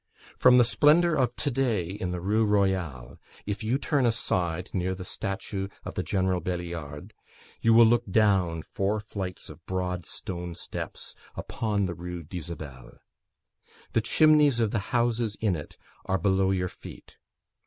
From the splendour of to day in the Rue Royale, if you turn aside, near the statue of the General Beliard, you look down four flights of broad stone steps upon the Rue d'Isabelle. The chimneys of the houses in it are below your feet.